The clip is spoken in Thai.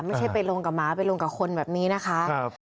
ไม่ใช่ไปลงกับหมาไปลงกับคนแบบนี้นะคะ